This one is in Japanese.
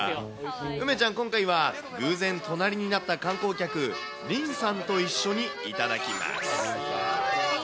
梅ちゃん、今回は偶然隣になった観光客、リンさんと一緒にいただきます。